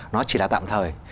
nó chỉ là tạm thời